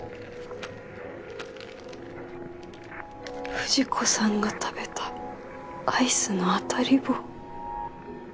「藤子さんが食べたアイスの当たり棒」。